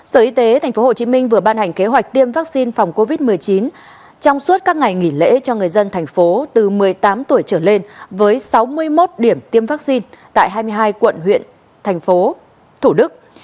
sở y tế tp hcm vừa ban hành kế hoạch tiêm vaccine phòng covid một mươi chín trong suốt các ngày nghỉ lễ cho người dân thành phố từ một mươi tám tuổi trở lên với sáu mươi một điểm tiêm vaccine tại hai mươi hai quận huyện thành phố thủ đức